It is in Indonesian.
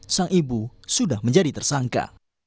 sang ibu sudah menjadi tersangka